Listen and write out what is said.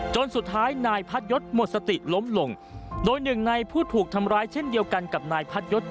จนสุดท้ายนายพัดยศหมดสติล้มลงโดยหนึ่งในผู้ถูกทำร้ายเช่นเดียวกันกับนายพัดยศ